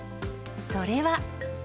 それは。